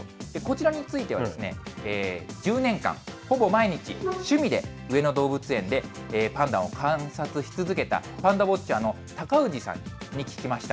こちらについては、１０年間ほぼ毎日、趣味で上野動物園でパンダを観察し続けた、パンダウォッチャーの高氏さんに聞きました。